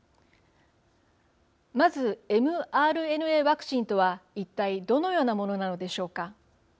まずｍＲＮＡワクチンとは一体、どのようなものなのでしょうか。